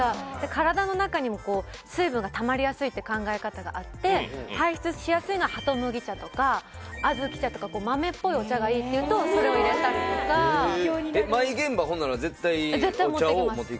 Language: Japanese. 体の中にも水分がたまりやすいって考え方があって排出しやすいのはハト麦茶とかあずき茶とか豆っぽいお茶がいいっていうとそれをいれたりとか絶対持っていきます